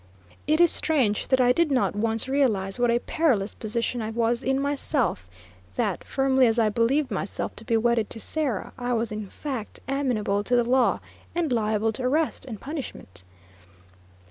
It is strange that I did not once realize what a perilous position I was in myself that, firmly as I believed myself to be wedded to Sarah, I was in fact amenable to the law, and liable to arrest and punishment.